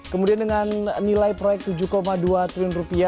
kemudian dengan nilai proyek rp tujuh dua triliun